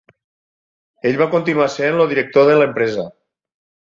Ell va continuar sent el director de l'empresa.